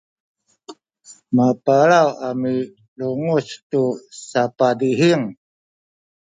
mapalaw a milunguc tu sapadihing